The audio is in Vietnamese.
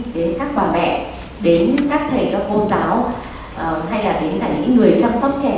đến các bà mẹ đến các thầy các cô giáo hay là đến cả những người chăm sóc trẻ